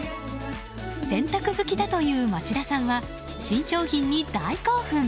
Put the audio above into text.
洗濯好きだという町田さんは新商品に大興奮。